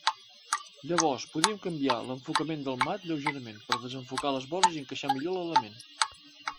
Llavors podíem canviar l'enfocament del mat lleugerament per desenfocar les vores i encaixar millor l'element.